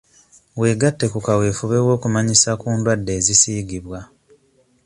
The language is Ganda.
Weegatte ku kaweefube w'okumanyisa ku ndwadde ezisiigibwa.